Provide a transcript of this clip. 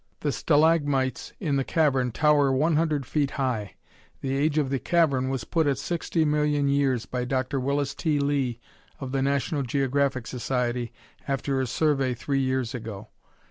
The stalagmites in the cavern tower 100 feet high. The age of the cavern was put at 60,000,000 years by Dr. Willis T. Lee of the National Geographic Society, after his survey three years ago.